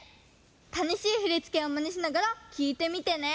たのしいふりつけをマネしながらきいてみてね！